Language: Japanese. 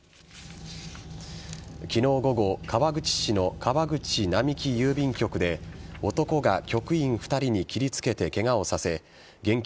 昨日午後川口市の川口並木郵便局で男が局員２人に切りつけてケガをさせ現金